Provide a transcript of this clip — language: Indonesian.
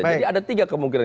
jadi ada tiga kemungkinan